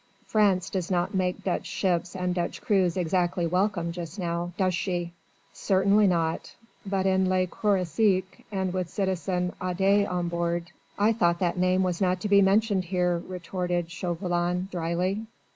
France does not make Dutch ships and Dutch crews exactly welcome just now, does she?" "Certainly not. But in Le Croisic and with citizen Adet on board...." "I thought that name was not to be mentioned here," retorted Chauvelin dryly.